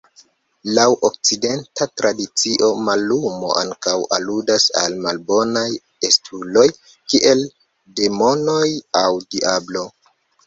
Laŭ Okcidenta tradicio, mallumo ankaŭ aludas al malbonaj estuloj, kiel demonoj aŭ Diablo.